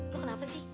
lo kenapa sih